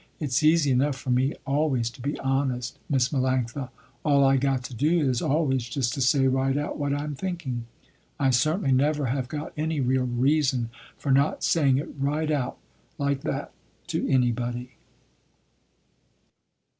It's easy enough for me always to be honest, Miss Melanctha. All I got to do is always just to say right out what I am thinking. I certainly never have got any real reason for not saying it right out like that to anybody."